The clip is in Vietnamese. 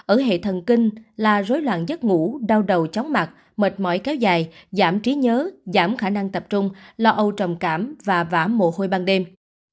ở hệ thần kinh là rối loạn giấc ngủ đau đầu chóng mặt mệt mỏi kéo dài giảm trí nhớ giảm khả năng tập trung lo âu trầm cảm và vã mổ hôi ban đêm